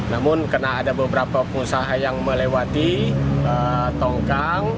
namun karena ada beberapa pengusaha yang melewati tongkang